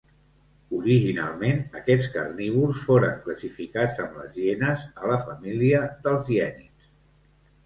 Originalment, aquests carnívors foren classificats amb les hienes a la família dels hiènids.